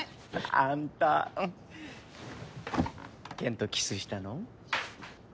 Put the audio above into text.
あんたケンとキスしたの？